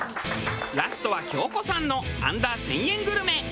ラストは京子さんのアンダー１０００円グルメ。